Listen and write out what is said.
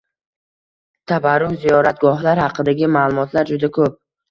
Tabarruk ziyoratgohlar haqidagi ma’lumotlar juda ko‘p.